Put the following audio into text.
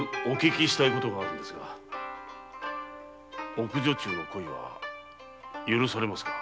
奥女中の恋は許されますか？